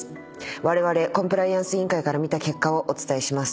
われわれコンプライアンス委員会から見た結果をお伝えします。